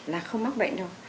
là không mắc bệnh đâu